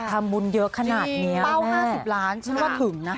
ทำบุญเยอะขนาดนี้เป้า๕๐ล้านฉันว่าถึงนะคะ